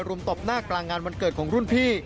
ตบหน้ากลางงานวันเกิดของรุ่นพี่